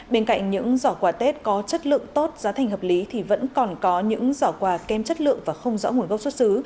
bên cạnh những giỏ quà tết có chất lượng tốt giá thành hợp lý thì vẫn còn có những giỏ quà kem chất lượng và không rõ nguồn gốc xuất xứ